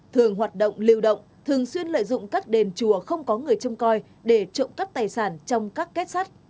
thường hoạt động liều động thường xuyên lợi dụng các đền chùa không có người châm coi để trộm cắt tài sản trong các kết sát